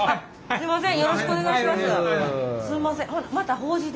すいません。